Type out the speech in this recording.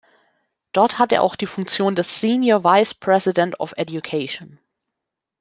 Dort hat er auch die Funktion des „Senior Vice President of Education“.